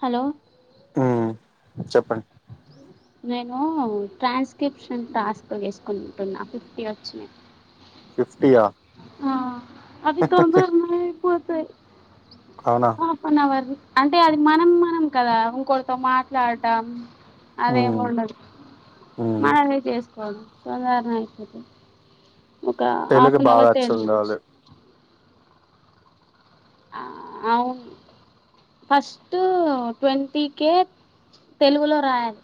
Hello చెప్పంనీ no transcription task చేసుకుంటున్నా fifty వచ్చినై ఫిఫ్టీయా ఆ అవి తొందరగానే అయిపోతాయ్ అవునా హాఫ్ అన్ అవర్ అంటే అది మనం మనం కదా ఇంకొకరితో మాట్లాడటం అదేమి ఉమ్ ఉండదు ఉమ్ మనమే చేసుకోవాలి తొందరణ అయిపోతై ఒక హాఫ్ తెలుగు అన్ బాగా అవర్ [unintelligible] వచ్చుండాలి అవును ఫస్ట్ ట్వంటీ కే తెలుగులో రాయాలి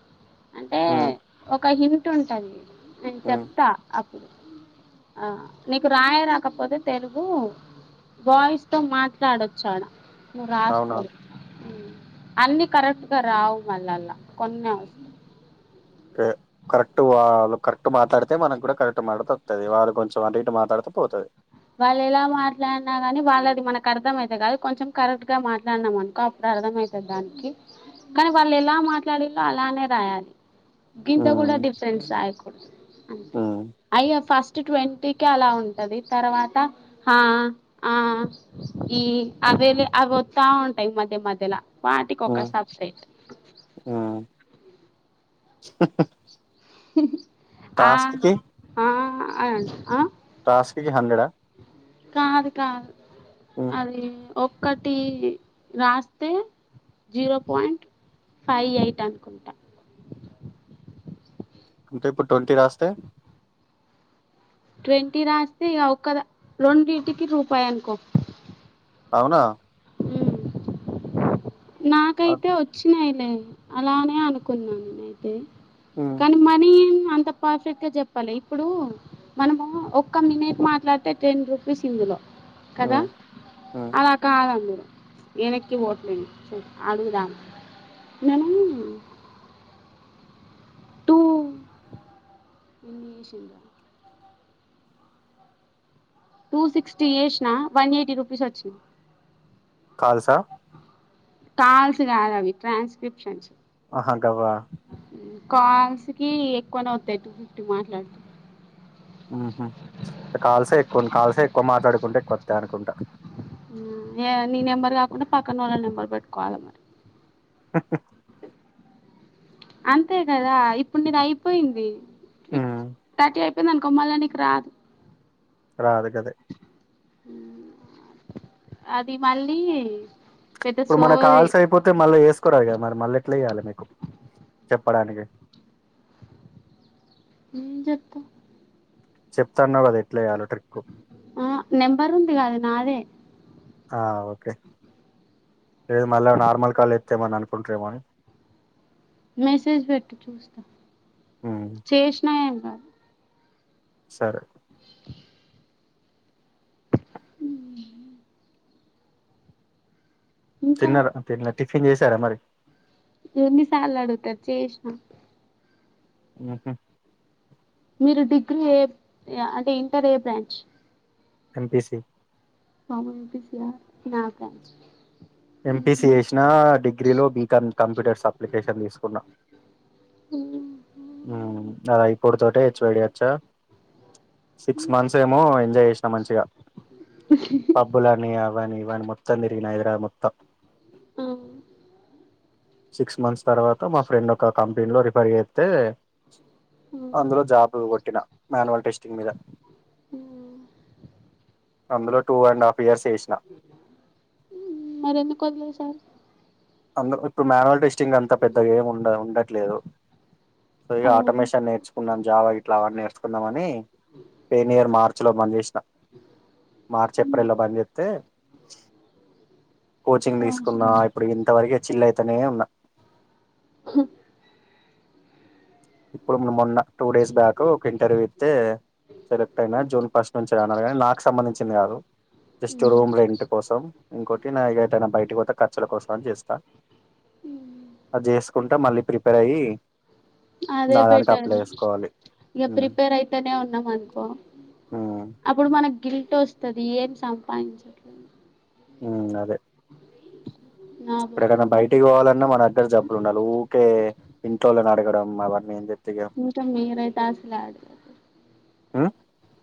అంటే ఉమ్ ఒక హింట్ ఉంటాది నేను ఉమ్ చెప్తా అప్పుడు ఆ నీకు రాయ రాకపోతే తెలుగు వాయిస్ తో మాట్ లా మాట్లాడచ్చాడ నువ్వు రాసుకో అవునా అన్ని కరెక్ట్ [unintelligible] రావ్ మళ్ళా అల కొన్న వస్త్ కే కరెక్ట్ వాళ్ళు కరెక్ట్ మాట్లాడితే మనం కూడా కరెక్ట్ మాట్లాడుత వస్తాది వాళ్ళు కొంచెం అటు ఇటు మాట్లాడితే పోతాది వాళ్ళు ఎలా మాట్లాడినా కాని వాళ్ళది మనకు అర్థం అయితే కాదు కొంచెం కరెక్ట్ గా మాట్లాడినాం అనుకో అప్పుడు అర్థమవుతుంది దానికి కానీ వాళ్ళు ఎలా మాట్లాడేలో అలానే రాయాలి గీంత ఉమ్ కూడా డిఫరెన్ట్స్ రాయకూ అంతే ఉమ్ అయ్యా ఫస్ట్ ట్వంటీ కే అలా ఉండ తర్వాత ఆ ఆ ఈ అవళ అవి వస్తా ఉంటాయి మ అంటే మధ్యల వాటికి ఒక ఉమ్ సబ్ సైట్ ఉమ్ ఆ టాస్క్ ఆ అవ్ను ఆ టాస్కి కి హండ్రెడ్ ఆ కాదు కాదు అది ఒక్కటి రాస్తే జీరో పాయింట్ ఫైవ్ ఎయిట్ అనుకుంటా అంటే ఇప్పుడు ట్ంటీ రాస్తే ట్వంటీ రాస్తే ఆ ఒక్క రెండీటికి రూపాయి అనుకో అవునా అ- నాకైతే వచ్చినాయిలే అలానే అనుకున్నాను నే అయితే ఉమ్ కానీ మనీ అంత పర్ఫెక్ట్ గా చెప్పాలి ఇప్పుడు మనము ఒక్క మినిట్ మాట్లాడితే టెన్ రూపీస్ ఇందులో కదా ఉమ్ ఉమ్ అలా కాదుందరూ వెనక్కి ఓట్లేని అడుగుదాం నేను టూ [inaudible] టూ సిక్స్టీ వేసిన వన్ ఎయిటీ రూపీస్ వచ్చిన్నాయి కాల్స్ ఆ కాల్స్ కాదు అవి ట్రాన్స్క్రిప్షన్స్ ఆహా గవా కాల్స్ కి ఎక్కువనే వతాయి టూ ఫిఫ్టీ మాట్లాడితే ఉమ్ హు కాల్సే ఎక్కువ కాల్సే ఎక్కువ మాట్లాడుకుంటే ఎక్కువత్తాయి అనుకుంటా ఆ నీ నెంబర్ కాకుండా పక్కన వాళ్ళ నెంబర్ పెట్టుకోవాలి మరి అంతే కదా ఇప్పుడు నీది అయిపోయింది ఉమ్ తర్టీ అయిపోయింది అనుకో మల్లి నీకు రాదు రాదు కదే హు అది మళ్ళీ పెద్ద ఇప్పుడు మన సోది కాల్సి అయిపోతే మళ్ళీ వేసుకో రాదు కదా మరి మళ్ళీ ఎట్లా వేయ్యాలి మీకు చెప్పడానికి ఏం జెప్ప చెప్తాన్నావ్ గదా ఉమ్ నెంబరు ఉంది గదా అది నాదే ఆ ఓకే లేదు మళ్ళా నార్మల్ కాల్ వత్తే ఏమన్న అనుకుంటరేమో అని మెసేజ్ పెట్టు చూస్తా ఉమ్, చేసినా ఏం గాదు సరే ఇంకా తిన్నరా తిన్లే టిఫిన్ చేసారా మరి ఎన్నిసార్లు అడుగుతరు చేసిన ఉమ్ హు మీరు డిగ్రీ ఏ అంటే ఇంటర్ ఏ బ్రాంచ్ ఎంపిసి బాబోయ్ ఎంపిసి యా నాకా ఎంపిసి చేసినా డిగ్రీలో బీకాం కంప్యూటర్స్ అప్లికేషన్ దీసుకున్నా ఉమ్ అలా ఇప్పుడు తోటే హెచ్ వై డి వచ్చా సిక్స్ మంత్స్ ఏమో ఎంజాయ్ జేసినా మంచిగా పబ్బులని అవనీ మొత్తం దిరిగిన హైదరాబాద్ మొత్తం ఉమ్ సిక్స్ మంత్స్ తర్వాత మా ఫ్రెండ్ ఒక కంపెనీలో రిఫర్ జేత్తే ఆ అందులో జాబ్ గొట్టిన మాన్యువల్ టెస్టింగ్ మీద అందులో టూ అండ్ హాఫ్ ఇయర్స్ చేసిన ఉమ్ మరి ఎందుకు వదిలేసారు అందు ఇప్పుడు మాన్యువల్ టెస్టింగ్ అంత పెద్దగా ఏం ఉండ ఉండట్లేదు సో ఇగ ఆటోమేషన్ నేర్చుకున్నాం జావా ఇట్లా అవన్ని నేర్చుకున్నామని పేనియర్ మార్క్ మార్చ్ లో బంజేసిన మార్చ్ ఏప్రిల్ లో బంజేస్తే కోచింగ్ దీసుకున్నా ఇప్పుడు ఇంతవరకే చిల్ల్ అయితనే ఉన్నా హు ఇప్పుడు మొన్న టూ డేస్ బ్యాక్ ఒక ఇంటర్వ్యూ ఇత్తే సెలెక్ట్ అయినా జూన్ ఫస్ట్ నుంచి రా అన్నారు గానీ నాకు సంబంధించింది గాదు జస్ట్ రూమ్ రెంట్ కోసం ఇంకోటి నా ఇగ యేటైనా బయటకి పోతే ఖ ర్చుల కోసం అని జేస్తా అది జేసుకుంటా మళ్ళీ ప్రిపేర్ అయ్యి అదే నా దానికి బెటర్ అప్లై చేసుకోవాలి ఇగ ఉమ్ ప్రిపేర్ అయితనే ఉ న్నమ్ అనుకో ఉమ్ అప్పుడు మనకు గిల్టి ఎట్ట వస్తది ఏం సంపాదించట్లేదు ఉమ్ అదే నా ఇప్పుడు బాధ ఎటన్నా కూడా బయటికి బోవాలన్నా మన దగ్గర డబ్బులు ఉండాలి ఊకే ఇంట్లోళ్ళను అడగడం మాళ్ళం ఏం జెప్ ఇంకా మీరైతే అసలే అడగలేరు ఆ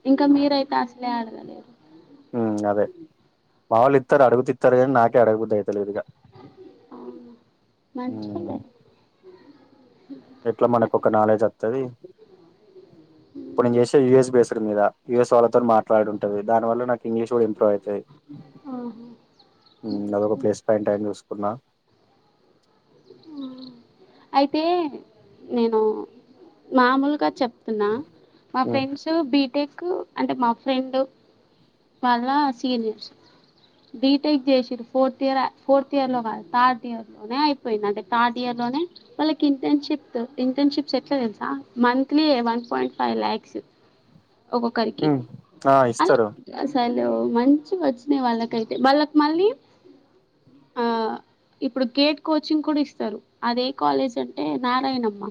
ఇంకా మీరైతే అసలే అడగలేరు మావోళ్ళు ఇత్తరు అడుగుతే ఇత్తరు గాని నాకే అడగబుద్ పైతలేదుగా అవును మంచోళ్ళే ఉమ్ ఎట్లా మనకు ఒక నాలెడ్జ్ వత్తది ఇప్పుడు నేను జేసే యూఎస్ బేస్ మీద యూఎస్ వాళ్ళతో మాట్లాడు ఉంటది దాని వల్ల నాక్ ఇంగ్లీష్ కూడా ఇంప్రూవ్ అయితది ఉమ్ అదొక ప్లేస్ పాయింట్ అని జూసుకున్నా అయితే నేను మామూలుగ చెప్ మా ఉమ్ ఫ్రెండ్స్ బి టెక్ అంటే మా ఫ్రెండ్ వాళ్ళ సీనియర్స్ బీటెక్ చేసిర్రు ఫోర్త్ ఇయర్ అయ్ ఫోర్త్ ఇయర్ లో కాదు థర్డ్ ఇయర్ లోనే అయిపోయింది అంటే థర్డ్ ఇయర్ ల్లోనే వాళ్ళకి ఇంటర్న్షిప్ ఇంటర్న్షిప్స్ ఎట్ల తెల్సా monthly one point five lakhs ఒక్కొక్కరికి ఉమ్ హ అలా ఇస్తరు అసలు మంచిగొచ్చినయ్ వాళ్ళకైతే వాళ్ళకు మళ్ళీ ఆ ఇప్పుడు గేట్ కోచింగ్ కూడ ఇస్తరు అదే కాలేజ్ అంటే నారాయణమ్మ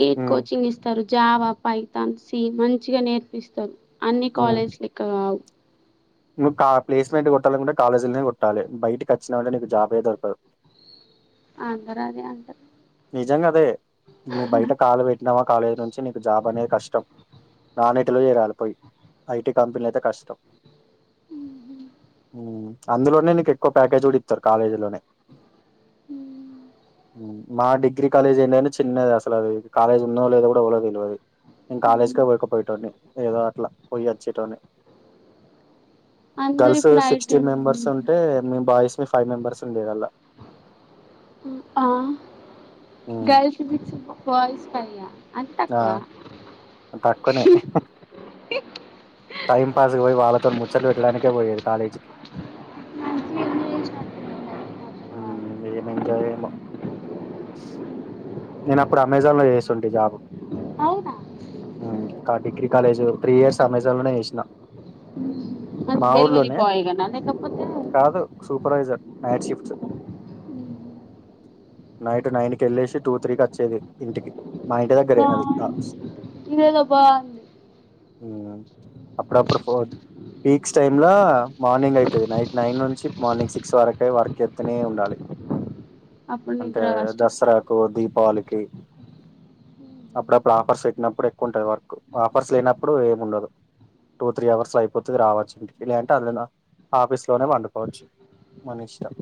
గేట్ ఉమ్ కోచింగ్ ఇస్తరు జావా, పైతాన్, సి మంచిగ నేర్పిస్తరు అన్ని ఉమ్ కాలేజ్ లెక్క గావు నువ్వు కా ప్లేస్మెంట్ గొట్టాలనుకుంటే కాలేజీల్నే కొట్టాలె, బయటకచ్చినవంటే నీకు జాబే దొరకదు అందరదే అంటరు నిజంగదే నువ్వు బయట కాలు పెట్టినవా కాలేజీ నుంచి నీకు జాబ్ అనేది కష్టం నాన్ ఐ టి లో చేరాలి పోయి, ఐ టి కంపెనీలయితే కష్టం ఉమ్ అందులోనే నీకు ఎక్కువ ప్యాకేజ్ గుడ ఇత్తరు కాలేజీలోనే ఉమ్ మా డిగ్రీ కాలేజ్ ఏంటిదంటె చిన్నది అసలది కాలేజ్ ఉందో లేదో గుడ ఎవ్వలక్ తెల్వదు నేన్ కాలేజ్ కె పోకపోయేటోన్ని ఏదో అట్ల పోయి అచ్చేటోన్ని అందరు గర్ల్స్ ఇప్పుడు ఐటీ సిక్స్టీన్ మెంబర్స్ ఉంటే మేం బాయ్స్ మెం ఫైవ్ మెంబెర్స్ ఉండేదల్లా అవునా ఉమ్, గర్ల్స్ విక్స్ బాయ్స్ కయ్య అంత ఆ తక్కువ తక్కువనే ఏ టైం పాస్ కు పోయి వాళ్ళతో ముచ్చట్లు పెట్టడానికే పోయేది కాలేజీకి మంచిగా ఎంజాయ్ చేసినట్టున్నావు మరి కొంచెం బాగా. ఉమ్ ఏం ఎంజాయ్ ఏమో నేనప్పుడు అమెజాన్ లో చేస్తుంటి జాబ్ అవునా కాద్ degree college three years Amazon లోనే చేసిన మరి మా డెలివరీ ఊర్లోనే బాయ్ గానా లేకపోతే కాదు supervisor night shift night nine కెళ్ళేసి టూ త్రీ కచ్చేది ఇంటికి మా ఇంటి దగ్గరే అది ఆ బాగుంది ఇదేదో బాగుంది అప్పుడప్పుడు ఫోద్ పీక్స్ టైమ్ లా మార్నింగ్ అయితది నైట్ నైన్ నుంచి మార్నింగ్ సిక్స్ వరకే వర్క్ చేత్తనే ఉండాలి అప్పుడు అంటే నిద్ర కష్టం దసరాకు దీపావళికి అప్పుడప్పుడు ఆఫర్స్ పెట్టినప్పుడు ఎక్కువుంటది వర్క్ ఆఫర్స్ లేనప్పుడు ఏముండదు టూ త్రీ అవర్స్ ల అయిపోతది రావచ్చు ఇంటికి లేదంటే అల్లనే ఆఫీస్ లోనే పండుకోవచ్చు మనిష్టం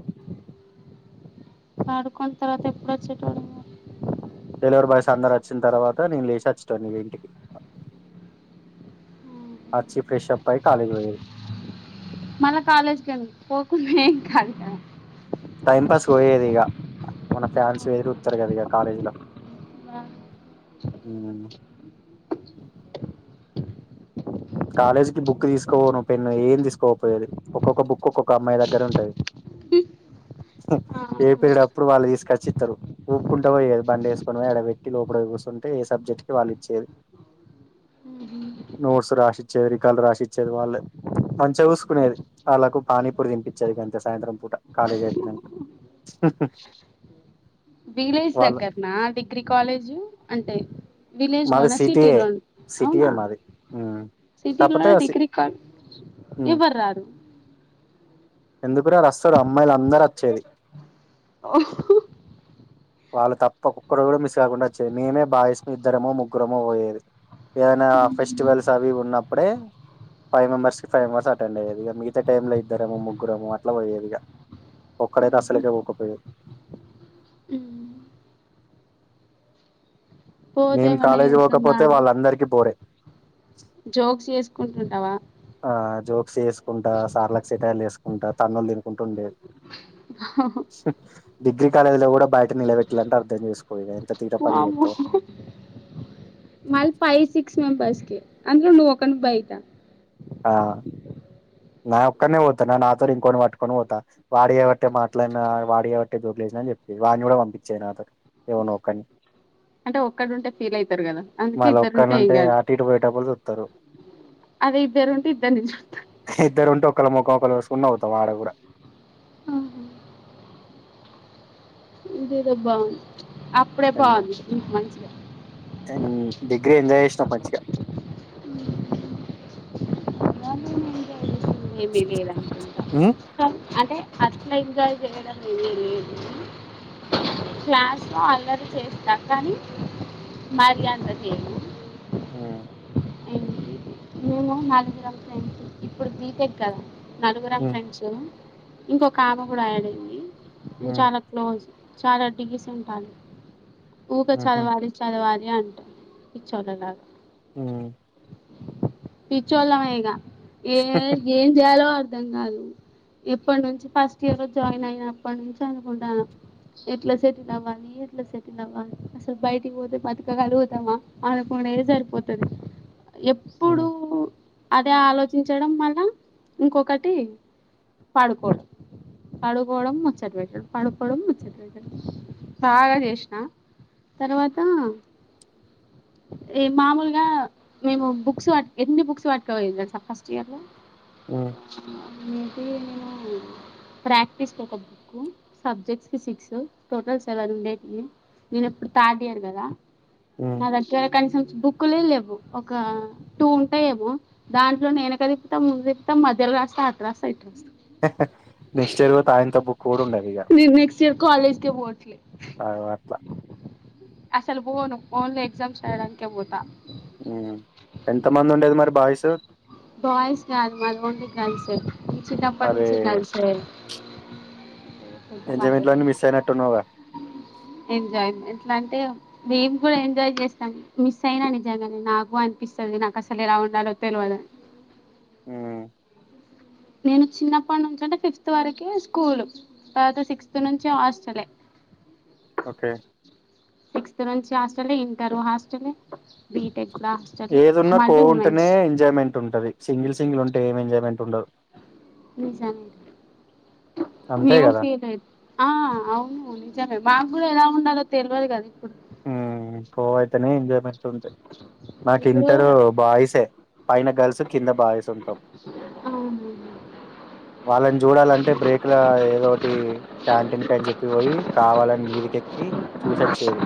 పడుకొని తర్వాత ఎప్పుడచ్చేటోడివి మరి డెలివరీ బాయ్స్ అందరు అచ్చిన్తర్వాత నేను లేసి అచ్చేటోడ్నీ ఇంటికి అచ్చి ఫ్రెషప్ అయి కాలేజ్ కి పోయేది మళ్ళ కాలేజ్ కెందుకు పోకున్నా ఏం కాదు కదా టైం పాస్ పోయేది ఇగ మన ఫ్యాన్స్ ఎదురుయుత్తరు కదా ఇగ కాలేజీ ల ఉమ్ మెమ్ కాలేజీకి బుక్ తీసుకోపోను పెన్ను ఏం తీసుకోపోయది ఒక్కొక్క బుక్ ఒక్కొక్క అమ్మాయి దగ్గర ఉంటది. ఆ ఏ పీరియడ్ అప్పుడు వాళ్ళ తీసుకొచ్చిస్తారు ఊపుకుంట ఓయేది బండి వేసుకొని ఆడ వేట్టి లోపట కుసోని అంటే ఏ సబ్జెక్ట్ కు వాళ్ళు ఇచ్చేది నోట్స్ రాసి చివరికి ఆళ్ళు రాసిచ్చేది వాళ్ళే మంచిగా చూసుకునేది వాళ్ళకు పానీపూరి తినిపిచ్చెది గంతే సాయంత్రం పూట కాలేజ్ అయిపోయినంక హ విలేజ్ దగ్గరనా డిగ్రీ కాలేజు అంటే విలేజ్ మాది లోన, సిటీ సిటీయే లోన సిటీయే అవునా మాది ఉమ్ సిటీ కాకపోతే లోనే సి డిగ్రీ కాలేజ్ ఎవ్వరు రారు ఎందుకురారు అస్తడు అమ్మాయిల అందరు వచ్చేది ఓహో వాళ్ళు తప్ప కుక్కరు కూడా మిస్ కాకుండా వచ్చాది మేమే బాయస్ము ఇద్దరమో ముగ్గురమో పోయేది ఏదైనా ఫెస్టివల్స్ అవి ఉన్నప్పుడే ఫైవ్ మంబర్స్ కి ఫైవ్ మెంబెర్స్ అటెండ్ అయ్యేది ఇగ మిగత టైంలో ఇద్దరము ముగ్గురము అట్లా పోయేదిగా ఒక్కడైతే అస్సల్ కే పోకపోయేది పోతే మేం ఏమన్న కాలేజీ పోకపోతే చేస్తుందనే వాళ్ళందరికీ బోరే జోక్స్ చేసు ఉంచుకుంటావా ఆ జోక్స్ ఏసుకుంటా, సార్లకు సెటైర్లు ఏసుకుంటా, తన్నుళ్లు తినుకుంటా ఉండేది. డిగ్రీ కాలేజీ లో కూడా బయట నిలబెట్టిలంటే అర్థం చేసుకో ఇగ ఇంత వామ్మో మల్ ఫైవ్ సిక్స్ మెంబర్స్ అందులో నువ్వు ఒక్కనివి బయటా ఆ నా ఒక్కనే పోతా నా నాతో ఇంకొని పట్టుకొని పోతా వాడి ఏయావట్టే మాట్లాడిన వాడి ఏయవట్టే నిజం చెప్పేది వాన్నీ కూడా పంపించేది నాతో ఏవన్నో ఒకన్ని అంటే ఒక్కడుంటే ఫీల్ అయితారు కదా అందుకే మళ్ళ ఇద్దరుంటే ఏం ఒక్కనుంటే కాదు అటు ఇటు పోయేటప్పుడు చూత్తరు అదే ఇద్దారు ఉంటు ఇద్దరునీ చుత్తరు ఇద్దరు ఉంటే ఒకల మొఖం ఒకరు చూసుకుంటా నవ్వుతాం ఆడ కూడా సిదబ్బ డిగ్రీ ఎంజాయ్ చేసినం పై చ్చిగా ఏమికు లేదా ఆ అంటే అట్లా ఇంకా చేయడం తెలియదు క్లాస్ లో అల్లరి చేస్తా కానీ మరి అంత చేయను ఆ మేము నాగగుర ఫేం ఇప్పుడు బి టెక్ కదా నలుగురం ఫ్రెండ్స్ ఇంకొక ఆమే కూడా యాడ్ అయింది మేమ్ చాలా క్లోజ్ చాలా డీసెంట్ అండి ఊకే చదవాలి చదవాలి లే అంట పిచ్చొల్లలాగ పిచ్చోవాళ్ళమే ఇగ ఏ ఏం చేయాలో అర్ధం కాదు ఎప్పటి నుంచి ఫస్ట్ ఇయర్ జాయిన్ అయిన అప్పటి నుంచి అనుకుంటాన్న ఎట్లా సేటీ లవ్వాలి, ఎట్లా సేటీ లవ్వాలి అసలు బయటికి పోతే బతక గలుగుతామా మా అనుకు అనేదే సరిపోతది ఎప్పుడు అదే ఆలోచించడం వల్ల ఇంకొకటి పడుకోడు పడుకోవడం ముచ్చట పెట్టడం పడుకోవడం ముచ్చ పెట్టడం బాగా చేసిన తర్వాత ఈ మామూలుగా మేము బుక్స్ పట్ ఎన్ని బుక్స్ పట్కపోయిన్నం తెల్సా ఫస్ట్ ఇయర్ లో మ్మ్ నేను తీను ఎమో ప్రాక్టీస్ కి ఒక బుక్ సబ్జెక్ట్స్ కి సిక్స్ టోటల్ సెవెన్ ఉండేటివి నేను ఎప్పుడు థర్డ్ ఇయర్ కదా నా దగ్గర కనీసం బుక్లే లేవు ఒక టూ ఉంటాయేమో దాంట్లో నేను ఎనుక తీత్త ముందు తీత్త మధ్యలో రాస్తా అట్ట రాస్తే అయిత నెక్స్ట్ ఇయర్ పోతే ఆయనతో బుక్ కూడా ఉండదు ఇగ నేను నెక్స్ట్ ఇయర్ కాలేజ్కే అగో అట్ల అస్సలు బోను ఓన్లీ ఎగ్జామ్స్ రాయడానికే పోత మ్మ్ ఎంత మంది ఉండేది మరి బాయ్స్ బాయ్స్ కాదు మాది ఓన్లీ గర్ల్స్ ఏ చిన్నప్పుడు అరే నుంచి గర్ల్స్ ఈ ఎంజాయ్మెంట్ లో అన్ని మిస్ అయినట్టున్నావుగా [unintelligible] ఎంజాయ్మెంట్ల [unintelligible] తే మేము కూడా ఎంజాయ్ చేస్తాం మిస్ అయినా నిజంగానే నాకు అనిపిస్తది నాకు అసలు ఎలా ఉండాలో [unintelligible] మ్మ్ నేను చిన్నప్పటి నుంచి అంటే ఫిఫ్త్ వరకే స్కూల్ తర్వాత సిక్స్త్ నుంచి హాస్టలే okay hostel inter hostel B ఏది ఉన్నా కో ఉంటేనే ఎంజాయ్మెంట్ ఉంటది సింగిల్ సింగిల్ ఉంటే ఏం ఎంజాయ్మెంట్ ఉండదు. నిజంగా అంతే మేము కదా ఫీల్ అయి ఆ అవును నిజంగా మా కూడా ఎలా ఉండాలో తెల్వదు కద మ్మ్ కో అయితేనే ఎంజాయ్మెంట్ ఉంటాయి నాకు ఇప్పుడు ఇంటరు బాయిసే పైన గల్స్ కింద బాయ్స్ ఉంటాం అవును వాళ్ళని చూడాలంటే బ్రేక్ లా ఏదోటి క్యాంటీన్ కి అని చెప్పి పోయి కావాలని మీదికి ఎల్లి చూసొచ్చేది